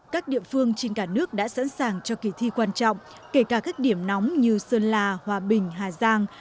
các địa phương trên cả nước đã sẵn sàng cho kỳ thi quan trọng kể cả các điểm nóng như sơn la hòa bình hà giang